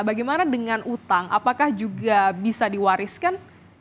bagaimana dengan utang apakah juga bisa diwariskan